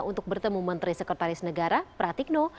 untuk bertemu menteri sekretaris negara pratikno